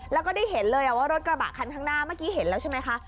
แล้วก็ได้เห็นเลยว่ารถกระบะคันข้างหน้าเมื่อกี้เห็นแล้วใช่ไหมคะ